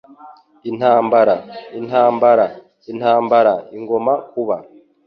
Intambara, intambara, intambara igomba kuba